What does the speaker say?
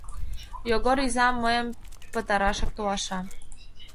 — Йогор изам мыйым пытарашак толаша.